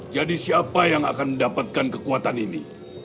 jadi siapa yang akan mendapatkan kekuatan ini